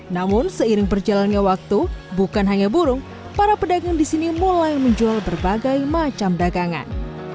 namun seiring berjalannya waktu bukan hanya burung para pedagang di sini mulai menjual berbagai macam dagangan